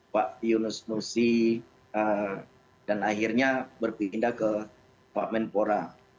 pak yunus nusi dan akhirnya berpindah ke pak menpora